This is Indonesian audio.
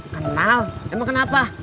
kenal emang kenapa